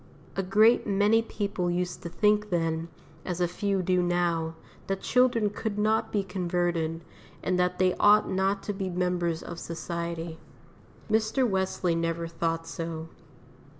A great many people used to think then, as a few do now, that children could not be converted, and that they ought not to be members of society. Mr. Wesley never thought so.